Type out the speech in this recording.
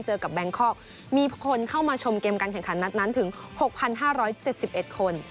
เจอกับแบงคอกมีคนเข้ามาชมเกมการแข่งขันนัดนั้นถึง๖๕๗๑คน